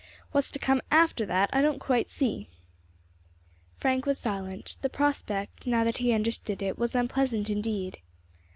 What's to come after that I don't quite see." Frank was silent. The prospect, now that he understood it, was unpleasant indeed.